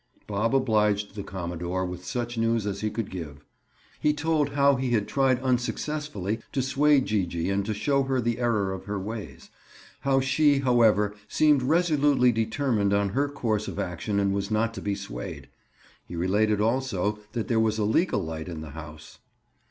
Bob obliged the commodore with such news as he could give. He told how he had tried unsuccessfully to sway Gee gee and to show her the error of her ways; how she, however, seemed resolutely determined on her course of action and was not to be swayed. He related also that there was a legal light in the house.